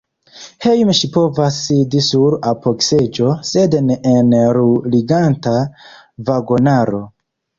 Hejme ŝi povas sidi sur apogseĝo, sed ne en ruliĝanta vagonaro.